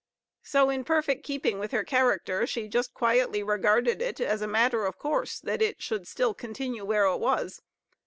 So, in perfect keeping with her character, she just quietly regarded it as a matter of course that it should still continue where it was.